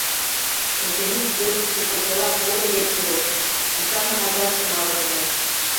Очыни, пӧртышкӧ почела кодыге пурышт, тушан ачаштым авырынешт.